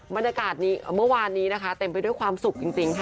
บรรยากาศนี้เมื่อวานนี้นะคะเต็มไปด้วยความสุขจริงค่ะ